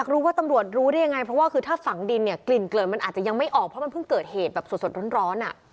รู้ว่าตำรวจรู้ได้ยังไงเพราะว่าคือถ้าฝังดินเนี่ยกลิ่นเกลือนมันอาจจะยังไม่ออกเพราะมันเพิ่งเกิดเหตุแบบสดร้อนอ่ะ